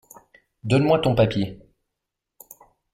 Donne-moi ton papier.